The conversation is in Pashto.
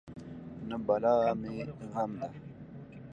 نه بلا مې غم ده.